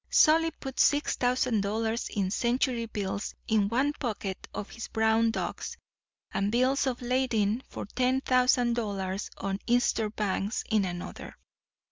"Solly puts six thousand dollars in century bills in one pocket of his brown ducks, and bills of lading for ten thousand dollars on Eastern banks in another.